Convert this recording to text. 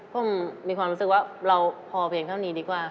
ผมมีความรู้สึกว่าเราพอเพียงเท่านี้ดีกว่า